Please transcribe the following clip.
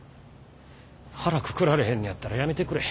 腹くくられへんのやったら辞めてくれ。